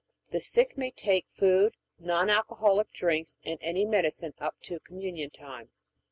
The sick may take food, non alcoholic drinks, and any medicine up to Communion time.